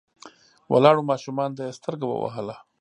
ولاړو ماشومانو ته يې سترګه ووهله.